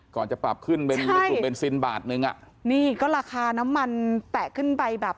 ก่อนจะปรับขึ้นในกลุ่มเบนซินบาทนึงนี่ก็ราคาน้ำมันแปะขึ้นไปแบบ